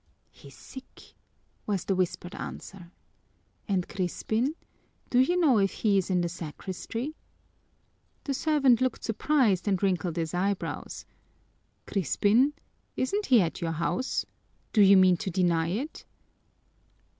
"He's sick," was the whispered answer. "And Crispin? Do you know if he is in the sacristy?" The servant looked surprised and wrinkled his eyebrows. "Crispin? Isn't he at your house? Do you mean to deny it?"